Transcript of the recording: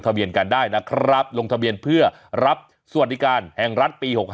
เบียนกันได้นะครับลงทะเบียนเพื่อรับสวัสดิการแห่งรัฐปี๖๕